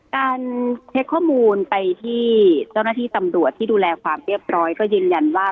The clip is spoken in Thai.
การเช็คข้อมูลไปที่เจ้าหน้าที่ตำรวจที่ดูแลความเรียบร้อยก็ยืนยันว่า